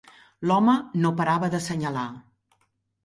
L'home no parava d'assenyalar